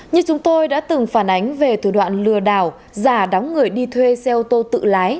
như chúng tôi đã từng phản ánh về thủ đoạn lừa đảo giả đóng người đi thuê xe ô tô tự lái